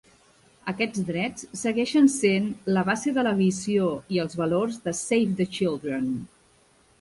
Aquests drets segueixen sent la base de la visió i els valors de Save the Children.